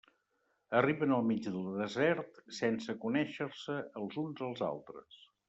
Arriben al mig del desert sense conèixer-se els uns als altres.